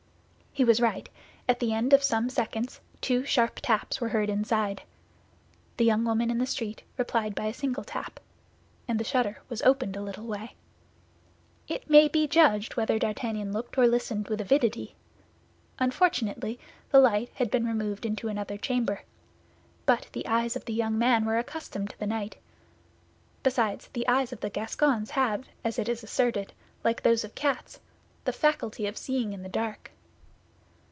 He was right; at the end of some seconds two sharp taps were heard inside. The young woman in the street replied by a single tap, and the shutter was opened a little way. It may be judged whether D'Artagnan looked or listened with avidity. Unfortunately the light had been removed into another chamber; but the eyes of the young man were accustomed to the night. Besides, the eyes of the Gascons have, as it is asserted, like those of cats, the faculty of seeing in the dark.